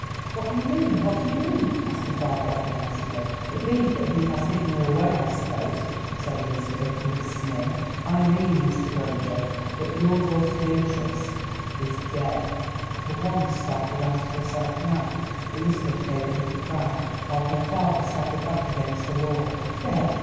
"What do you mean?—what do you mean?" asked her father apprehensively. "It means that he has hidden her away, I suppose," said Elizabeth with a sneer. "I mean, Mr. Granger, that your daughter Beatrice is dead." For once startled out of her self command, Elizabeth gave a little cry, while her father staggered back against the wall. "Dead!